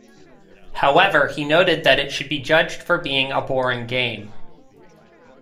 However, he noted that it should be judged for being a boring game.